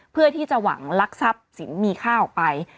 เพื่อที่จะหวังลักทรัพย์สินมีค่าออกไป